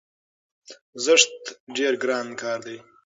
زښت ډېر ګران کار دی،